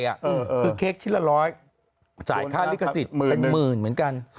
คือเค้กชิ้นละร้อยจ่ายค่าลิขสิทธิ์เป็นหมื่นเหมือนกัน